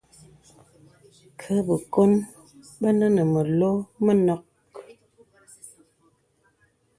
Kə bəkòn bənə məlɔ̄ mənɔ̄k.